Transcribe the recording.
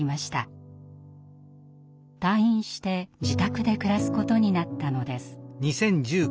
退院して自宅で暮らすことになったのです。